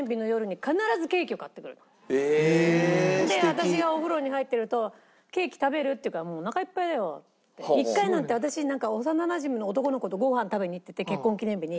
私がお風呂に入ってると「ケーキ食べる？」って言うから「おなかいっぱいだよ」って。１回私幼なじみの男の子とごはん食べに行ってて結婚記念日に。